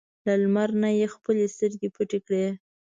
له لمر نه یې خپلې سترګې پټې کړې.